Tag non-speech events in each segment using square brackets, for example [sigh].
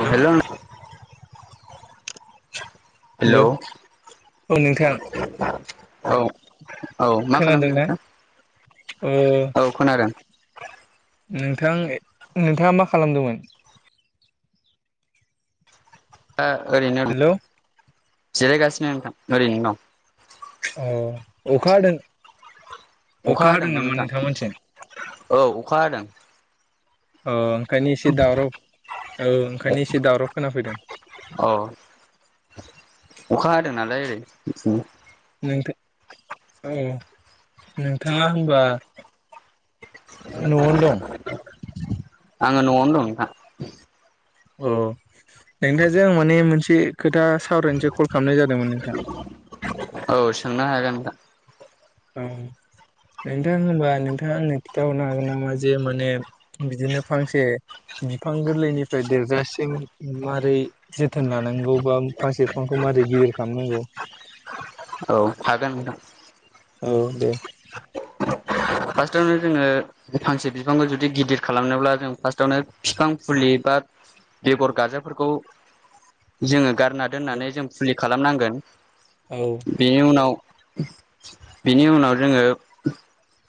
औ हेल' नों hello hello औ नोंथां औ औ मा खालामदों खोनादोंना अ नोंथां औ खोनादों नोंथां नोंथाङा मा खालामदोंमोन दा ओरैनो हेल' अ जिरायगासिनो नोंथां ओरैनो दं अ अखा हादों अखा हादों हादोंमोन नामा नोंथां नोंथांमोनथिं औ अखा हादों औ ओंखायनो एसे दावराव औ ओंखायनो एसे दावराव खोनाफैदों औ अखा हादों नालाय ओरै [unintelligible] नोंथां औ नोंथाङा होनबा न'आवनो दं आङो न'आवनो दं नोंथां अ नोंथांजों आं माने मोनसे खोथा सावरायनोसो कल खालामनाय जादोंमोन नोंथां औ सोंनो हागोन नोंथां औ नोंथां होनबा नोंथाङा आंनो खिन्थाहरनो हागोन नामा जे माने बिदिनो फांसे बिफां गोरलैनिफ्राय देरजासिम मारै जोथोन लानांगौ बा फांसेे फिफांखौ मारै गिदिर खालामनांगौ औ हागोन नोंथां औ दे फार्स्टावनो जोङो फांसे बिफांखौ जुदि गिदिर खालामनोब्ला जों फार्स्टावनो बिफां फुलि बा बेगर गाजाफोरखौ जोङो गारना दोननानै जों फुलि खालामनांगोन औ बेनि उनाव बिनि उनाव जोङो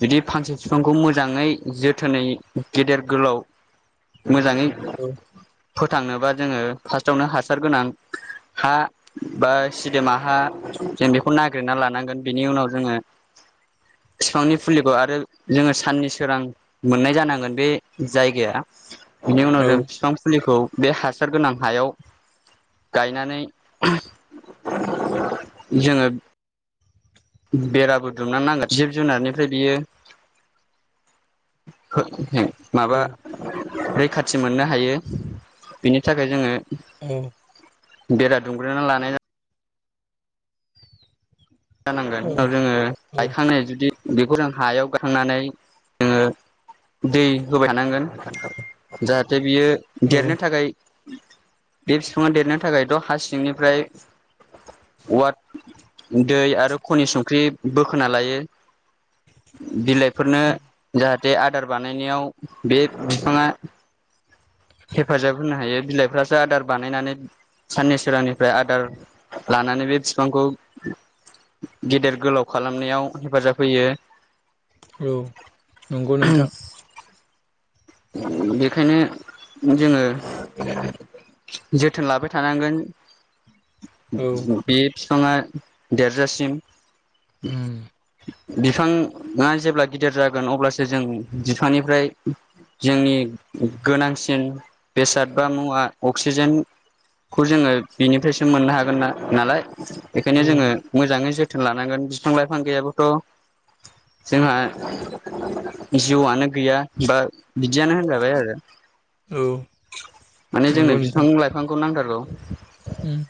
बिदि फांसे बिफांखौ मोजाङै जोथोनै गेदेर गोलाव मोजाङै औ फोथांनोबा जोङो फार्स्टावनो हासार गोनां हा बा सिदोमाहा जों बेखौ नागिरना लानांगोन बेनि उनाव जोङो फिफांनि फुलिखौ आरो जोङो साननि सोरां मोननाय जानांगोन बे जायगाया बेनि औ उनाव जों बिफां फुलिखौ बे हासार गोनां हायाव गायनानै जोङो बेराबो दुमनो नांगोन जिब जुनारनिफ्राय बियो [unintelligible] माबा रैखाथि मोननो हायो बेनि थाखाय जोङो औ बेरा दुंमग्रोना लानाय जानांगोन उनाव जोङो औ गायखांनाय जुदि बेखौ जों हायाव गायखांनानै जोङो दै होबाय थानांगोन जाहाथे बियो औ देरनो थाखाय बे बिफाङा देरनो थाखायथ' हा सिंनिफ्राय वा दै आरो खनि संख्रि बोखोना लायो बिलाइफोरनो जाहाथे बे आदार बानायनायाव बे बिफाङा हेफाजाब होनो हायो बिलाइफ्रा आदार बानायनानै साननि सोरांनिफ्राय आदार लानानै बे बिफांखौ गेदेर गोलाव खालामनायाव हेफाजाब होयो औ नंगौ नोंथां बेखायनो जोङो जोथोन लाबाय थानांगोन औ बे बिफाङा देरजासिम उम बिफाङा जेब्ला गिदिर जागोन अब्लासो जों बिफांनिफ्राय जोंनि गोनांसिन बेसाद बा मुवा अक्सिजेन खौ जोङो बिनिफ्रायसो मोननो हागोना नालाय औ बेखायनो जोङो मोजाङै जोथोन लानांगोन बिफां लाइफां गैयाबोथ जोंहा जिउआनो गैया बा बिदियानो होनजाबाय आरो औ माने नंगौ जोंनो बिफां नोंथां लाइ फांखौ नांथारगौ उम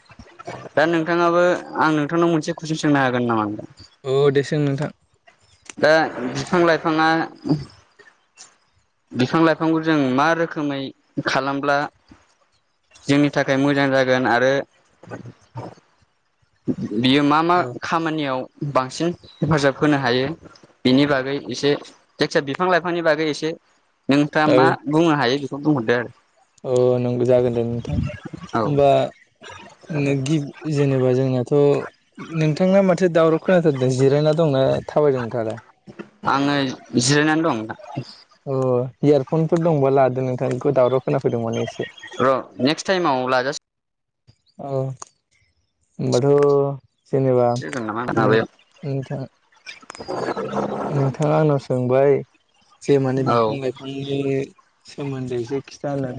दा नोंथाङाबो आं नोंथांनाव मोनसे कुइसन सोंनो हागोन नामा अ दे सों नोंथां दा बिफां लाइफाङा बिफां लाइफांखौ जों मा रोखोमै खालामब्ला जोंनि थाखाय मोजां जागोन आरो बियो मा मा औ खामानियाव बांसिन हेफाजाब होनो हायो बिनि बागै एसे जायखिजाया बिफां लाइफांनि बागै एसे नोंथाङा मा बुंनो हायो बेखौ बुंहरदो आरो अ जागोन दे नोंथां आरो होमबा गि जेनेबा जों आंनाथ नोंथांनामाथो दावराव खोनाथारदों जिरायना दंना थाबायदों नोंथाङालाय आङो जिरायनानै दं नोंथां अ इयारफनफोर दंबा लादो नोंथांखौ दावराव खोनाफैदों माने एसे र नेक्स्ट टाइम लाजासि औ होनबाथ जेनेबा लाजासिगोन नामा नों माबायाव नोंथां [inaudible] नोंथाङा आंनाव सोंबाय जे माने औ बिफां लाइफां बिफांनि सोमोनदै जे खिथानो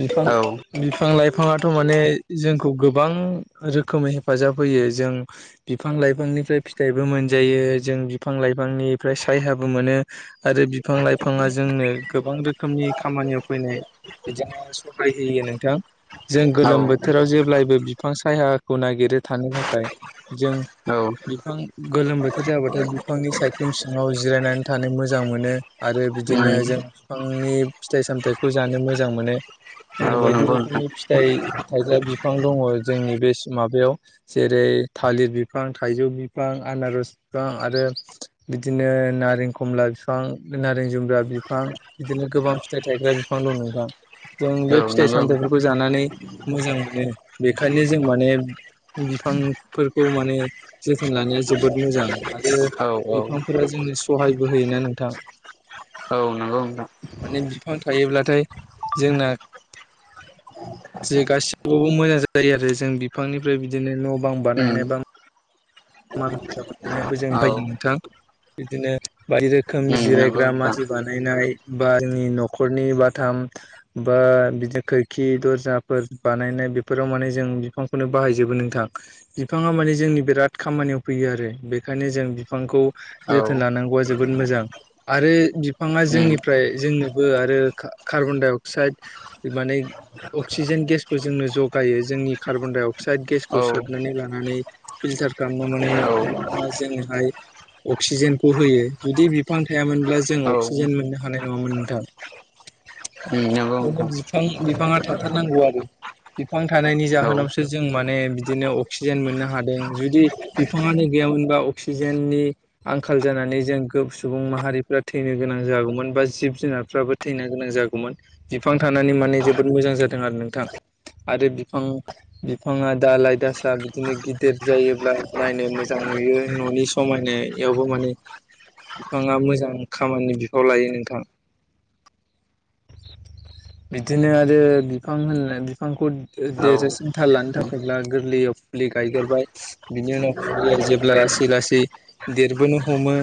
बिफां औ बिफां लाइफाङाथ माने जोंखौ गोबां रोखोमै हेफाजाब होयो जों बिफां लाइफांनिफ्राय फिथाइबो मोनजायो जों बिफां लाइफांनिफ्राय सायहाबो मोनो आरो बिफां लाइ फाङा जोंनो गोबां रोखोमनि खामानियाव फैनाय बिदिनो सहाय होयो नोंथां जों औ गोलोम बोथोराव जेब्लायबो बिफां सायहा खौ नागिरै थानो थाखाय जों औ बिफां गोलोम बोथोर जाबाथाय नि सायख्लुम सिङाव जिरायनानै थानो मोजां मोनो आरो उम बिदिनो जों बिफांनि फिथाइ सामथायाइखौ जानो मोजां मोनो औ बायदि नंगौ नोंथां रोखोमनि फिथाइ थाइग्रा बिफां दङ जोंनि बे माबायाव जेरै थालिर बिफां थाइजौ बिफां आनारस बिफां आरो बिदिनो नारें खमला बिफां नारें जुमब ब्रा बिफां बिदिनो गोबां फिथाइ थायग्रा बिफां दं नोंथां जों औ बे फिथाइ नंगौ नोंथां सामथाइफोरखौ जानानै मोजां मोनो बेखायनो जों माने बिफांफोरखौ माने जोथोन लानाया जोबोद मोजां आरो औ औ बिफांफोरा जोंनो सहायबो होयोना नोंथां औ नंगौ नोंथां माने बिफां थायोब्लाथाय जोंना जे गासिबावबो मोजां जायो आरो जों बिफांनिफ्राय बिदिनो न' बां उम बानायनाय बा माल माथा बानायनायाबो जों औ बाहायो नोंथां बिदिनो बायदि रोखोमनि उम नंगौ जिरायग्रा नोंथां मासि बानायनाय बानायनाय बा जोंनि न'खरनि बाथाम बा बिदिनो खोरखि दर्जाफोर बानायनाय बेफोराव माने जों बिफांखौनो बाहायजोबो नोंथां। बिफाङा माने जोंनि बिराद खामानियाव फैयो आरो बेखायनो जों बिफांखौ औ जोथोन लानांगौआ जोबोद मोजां आरो बिफाङा उम जोंनिफ्राय जोंनो कार्बनडाइअक्स माने अक्सिज गेसबो खौ जोंनो जगायो जोंनि कार्बन डाइ अक्साइद औ गेसखौ सोबनानै लानानै फिल्टार गामियाव माने औ बिफाङा जोंनिहाय अक्सिजेनखौ होयो जुदि बिफां थायामोनब्ला जों औ अक्सिजेन उम मोननो हानाय नङामोन नोंथां। नंगौ माने बिफां बिफाङा थाथारनांगौ आरो। बिफां थानायनि नोंथां जाहोनावसो जों माने बिदिनो अक्सिजेन मोननो हादों जुदि बिफाङानो गैयामोनबा अक्सिजेननि आंखाल जानानै जों गो सुबुं माहारिफोरा थैनो गोनां जागौमोन बा जिब जुनारफ्राबो थैनो गोनां जागौमोन बिफां थानानै माने जोबोद मोजां जादों आरो नोंथां। आरो बिफां बिफाङा दाालइ दासा बिदिनो गिदिर जायोब्ला नायनो मोजां नुयो न'नि समायनायावबो माने बिफाङा मोजां खामानि बिफाव लायो नोंथां। बिदिनो आरो बिफां होनना बिफांखौ औ देर लानो थाखायब्ला गोरलैयाव फुलि गायगेरबाय। बिनि उनाव फुलिया जेब्ला लासै लासै देरबोनो हमो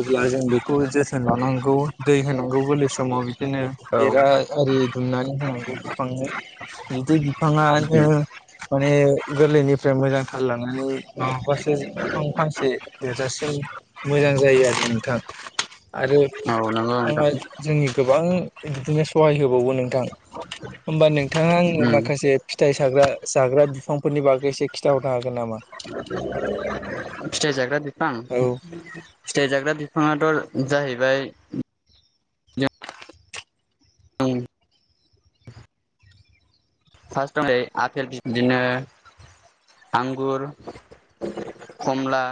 अब्ला जों बेखौ जोथोन लानांगौ दै होनांगौ गोरलै समाव बिदिनो औ बेरा आरि दुमनानै होनांगौ बिफांनो। बिदि बिफाङानो उम माने ओ गोरलैनिफ्राय मोजां थाल लानानै माबाबासो बिफां फांसे देरजासिम मोजां जायो आरो नोंथां आरो औ नंगौ नोंथां जोंनि गोबां बिदिनो सहाय होबावो नोंथां। होमबा नोंथाङा आङो उम माखासे फिथाइ साग्रा जाग्रा बिफांफोरनि बागै एसे खिन्थाहरनो हागोन नामा? [unintelligible] फिथाइ जाग्रा बिफां औ फिथाइ जाग्रा बिफाङाथ' जाहैबाय जों फार्स्टआव आफेल बिदिनो आंगुर खमला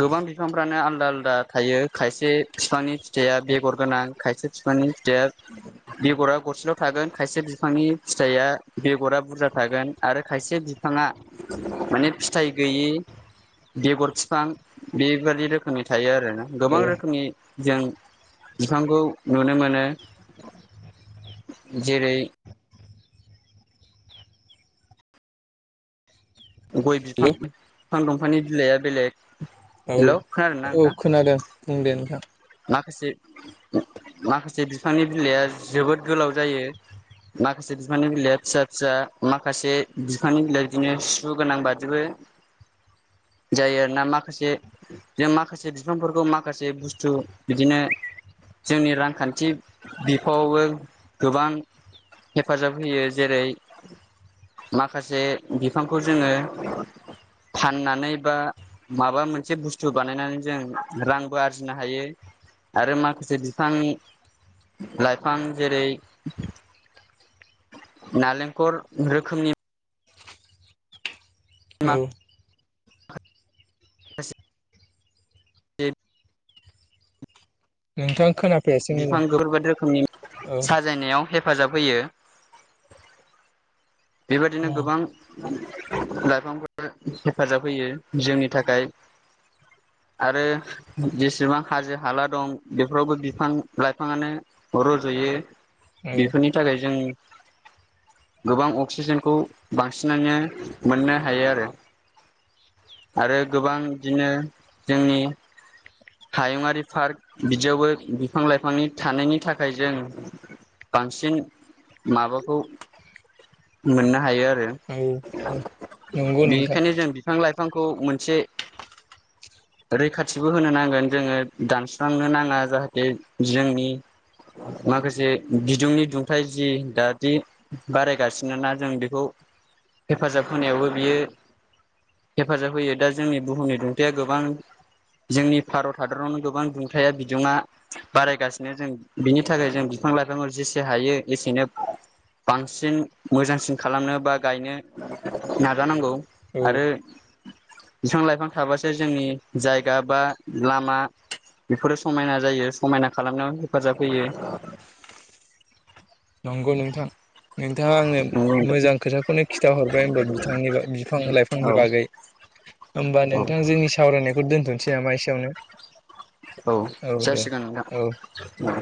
गोबां बिफांफ्रानो आलदा आलदा थायो खायसे बिफांनि फिथाइया बेगर गोनां खायसे फिफांनि फिथाइया बेगरा गरसेल' थागोन खायसे बिफांनि फिथाइआ बेगरा बुरजा थागोन आरो खायसे बिफाङा माने फिथाइ गैयि बेगर बिफां बेबाददि रोखोमनि थायो आरो ना औ गोबां रोखोमनि जों बिफांखौ नुनो मोनो। जेरै गय बिफां हेल' बिफां दंफांनि बिलाइआ बेलेग। औ हेलौ खोनादोंना औ नोंथां खोनादों बुं दे नोंथां। माखासे माखासे बिफांनि बिलाइआ जोबोद गोलाव जायो। माखासे बिफांनि बिलाइ फिसा फिसा माखासे बिफांनि बिलाइ बिदिनो सु गोनां बादिबो। [inaudible] जायो आरो ना माखासे जों माखासे बिफांफोरखौ माखासे थु बिदिनो जोंनि रांखान्थि बिफावआवबो गोबां हेफाजाब होयो जेरै माखासे बिफांखौ जोङो फाननानै बा माबा मोनसे बुस्थु बानायनानै जों रांबो आरजिनो आरजिनो हायो आरो माखासे बिफां लाइफां जेरै नालेंखल रोखोमनि औ ए नोंथां खोनाफैयासै बिफां मोजां गोफोरबायदि रोखोमनि औ साजायनायाव हेफाजाब होयो बेबादिनो औ गोबां लाइफांफोर हेफाजाब होयो जोंनि थाखाय [unintelligible] आरो जेसेबां हाजो हाला दं बेफोरावबो बिफां लाइफाङानो रजयो औ बेफोरनि थाखाय जों गोबां अक्सिजेनखौ बांसिन माने मोननो हायो आरो आरो गोबां बिदिनो जोंनि हायुंङारि पार्क बिदियावबो बिफां लाइफांनि थानायनि थाखाय जों बांसिन माबाखौ मोननो हायो आरो औ औ नंगौ नोंथां बेनिखायनो जों बिफां लाइफांखौ मोनसे [unintelligible] रैखाथिबो होनो नांगोन जोङो दानस्रांनो नाङा जाहाथे जोंनि माखासे बिदुंनि दुंथाय जि दादि बारायगासिनो मानोना जों बेखौ हेफाजाब होनायावबो बियो हेफाजाब होयो दा जोंनि बुहुमनि दुंथाया गोबां जोंनि भारत हादरावनो गोबां दुंथाया बिदुङा बारायगासिनो जों बिनि थाखाय जों बिफां लाइफांफोर जेसे हायो एसेनो बांसिन मोजांसिन खालामनो बा गायनो नाजानांगौ औ आरो बिफां लाइफां थाबासो जोंनि जायगा बा लामा बेफोरो समायना जायो समायना खालामनायाव हेफाजाब होयो नंगौ नोंथां नोंथाङा आंनो नंगौ नोंथां मोजां खोथाखौनो खिन्थााहरबाय होनबा बिथांनि बिफां औ लाइफांनि बागै होमबा औ नोंथां जोंनि सावरायनायखौ दोनथ'नोसै नामा एसेयावनो औ जासिगोन औ नोंथा